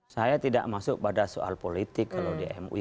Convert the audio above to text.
saya tidak masuk pada soal politik kalau di mui